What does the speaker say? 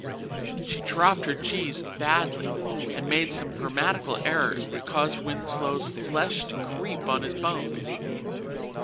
She dropped her g's badly and made some grammatical errors that caused Winslow's flesh to creep on his bones.